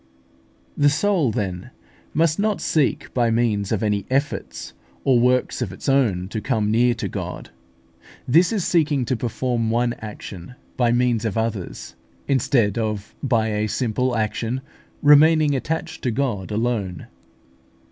The soul, then, must not seek by means of any efforts or works of its own to come near to God; this is seeking to perform one action by means of others, instead of by a simple action remaining attached to God alone.